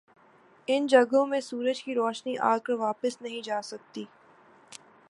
ان جگہوں میں سورج کی روشنی آکر واپس نہیں جاسکتی ۔